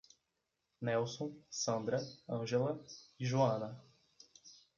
Nélson, Sandra, Ângela e Joana